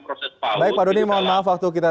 proses paut itu tidak akan